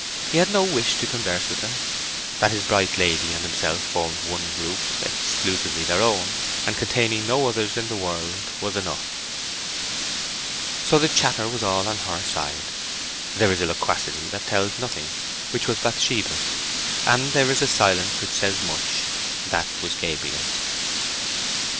He had no wish to converse with her: that his bright lady and himself formed one group, exclusively their own, and containing no others in the world, was enough. So the chatter was all on her side. There is a loquacity that tells nothing, which was Bathsheba's; and there is a silence which says much: that was Gabriel's.